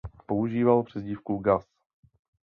Používal přezdívku Gus.